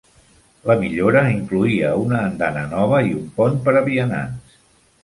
La millora incloïa una andana nova i un pont per a vianants.